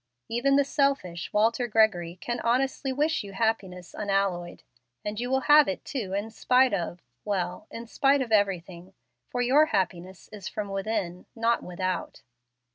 Even the 'selfish' Walter Gregory can honestly wish you happiness unalloyed. And you will have it, too, in spite of well, in spite of everything, for your happiness is from within, not without.